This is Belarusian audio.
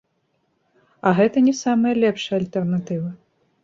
А гэта не самая лепшая альтэрнатыва.